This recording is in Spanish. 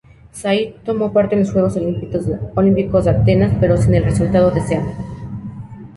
Said tomó parte en los Juegos Olímpicos de Atenas pero sin el resultado deseado.